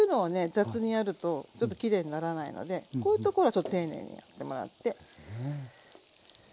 雑にやるとちょっときれいにならないのでこういうところはちょっと丁寧にやってもらって。